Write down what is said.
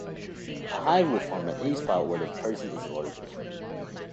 A hive will form at any spot where the person is allergic.